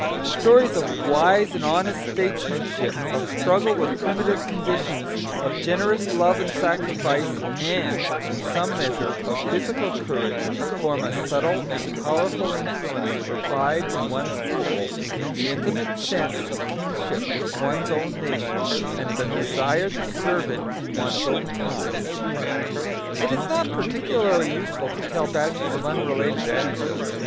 Stories of wise and honest statesmanship, of struggle with primitive conditions, of generous love and sacrifice, and in some measure of physical courage, form a subtle and powerful influence for pride in one's people, the intimate sense of kinship with one's own nation, and the desire to serve it in one's own time. It is not particularly useful to tell batches of unrelated anecdote.